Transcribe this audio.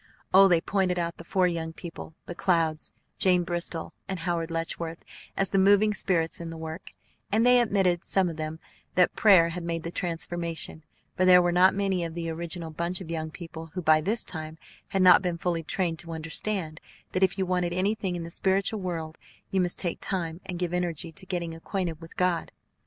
Oh, they pointed out the four young people, the Clouds, Jane Bristol, and Howard Letchworth, as the moving spirits in the work; and they admitted, some of them, that prayer had made the transformation, for there were not many of the original bunch of young people who by this time had not been fully trained to understand that if you wanted anything in the spiritual world you must take time and give energy to getting acquainted with God.